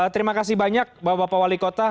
terima kasih banyak bapak bapak wali kota